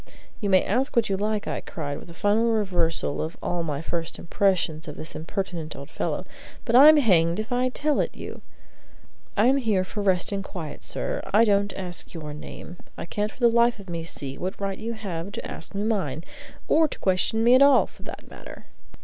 "You may ask what you like," I cried, with a final reversal of all my first impressions of this impertinent old fellow; "but I'm hanged if I tell it you! I am here for rest and quiet, sir. I don't ask you your name. I can't for the life of me see what right you have to ask me mine, or to question me at all, for that matter."